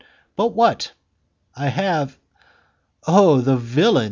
"But what?" "I have...." "Oh, the villain!"